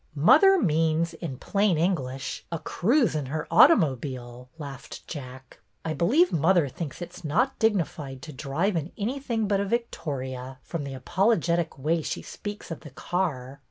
" Mother means, in plain English, a cruise in her automobile," laughed Jack. " I believe mother thinks it is not dignified to drive in any thing but a victoria, from the apologetic way she speaks of the car."